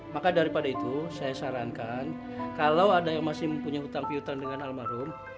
maka daripada itu saya sarankan kalau ada yang masih mempunyai hutang pihutang dengan almarhum